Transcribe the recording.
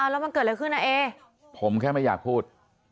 แล้วมันเกิดอะไรขึ้นนะเอผมแค่ไม่อยากพูด